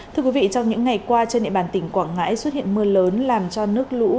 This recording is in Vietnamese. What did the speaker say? thưa quý vị trong những ngày qua trên địa bàn tỉnh quảng ngãi xuất hiện mưa lớn làm cho nước lũ